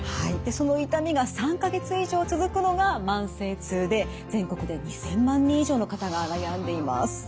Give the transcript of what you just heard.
その痛みが３か月以上続くのが慢性痛で全国で２，０００万人以上の方が悩んでいます。